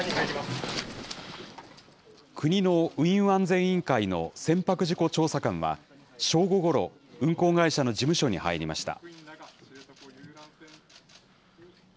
国の運輸安全委員会の船舶事故調査官は正午ごろ、運航会社の事務所に入りました。